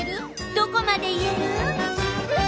どこまでいえる？